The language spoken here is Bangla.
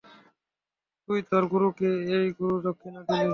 তুই তোর গুরুকে এই গুরুদক্ষিণা দিলি?